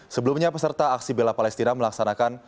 sebelumnya peserta aksi bela palestina melaksanakan